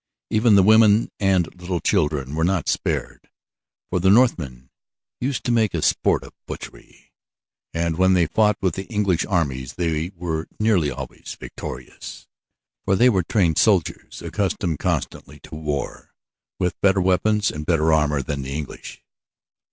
Even the women and little children were not spared, for the Northmen used to make a sport of butchery. And when they fought with the English armies they were nearly always victorious, for they were trained soldiers accustomed constantly to war, with better weapons and better armor than the English.